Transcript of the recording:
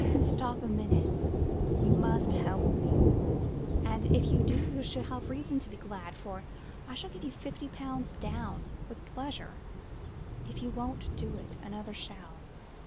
"'Stop a moment. You must help me; and, if you do, you shall have reason to be glad, for I will give you fifty pounds down with pleasure. If you won't do it, another shall.